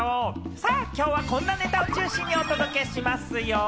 さぁ今日はこんなネタを中心にお届けしますよ！